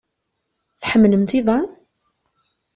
Tḥemmlemt iḍan?